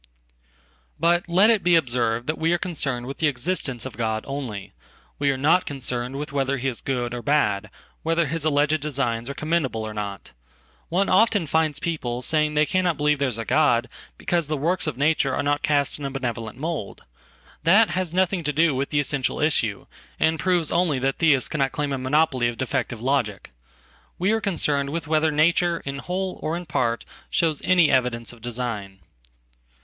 But let it be observed that we are concerned with theexistence of God only. We are not concerned with whether he is goodor bad; whether his alleged designs are commendable or not. Oneoften finds people saying they cannot believe there is a Godbecause the works of nature are not cast in a benevolent mould. That has nothing to do with the essential issue, and proves onlythat Theists cannot claim a monopoly of defective logic. We areconcerned with weather nature, in whole, or in part, shows anyevidence of design.